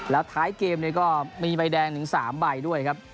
แล้วท้ายเกมเนี่ยก็มีใบแดง๓ใบด้วยครับ